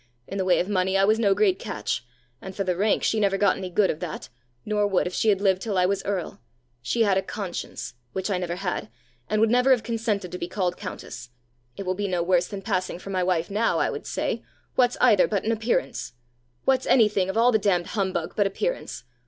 In the way of money I was no great catch; and for the rank, she never got any good of that, nor would if she had lived till I was earl; she had a conscience which I never had and would never have consented to be called countess. 'It will be no worse than passing for my wife now,' I would say. 'What's either but an appearance? What's any thing of all the damned humbug but appearance?